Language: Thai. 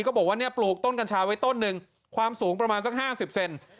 ก็บอกว่าเนี่ยปลูกต้นกัญชาไว้ต้นหนึ่งความสูงประมาณสัก๕๐เซน